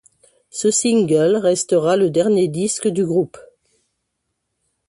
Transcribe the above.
Ce single restera le dernier disque du groupe.